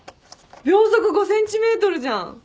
『秒速５センチメートル』じゃん。